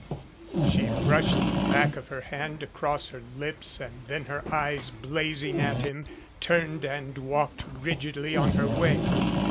She brushed the back of her hand across her lips and then her eyes blazing at him, turned and walked rigidly on her way.